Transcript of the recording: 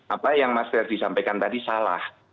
apa yang mas ferdi sampaikan tadi salah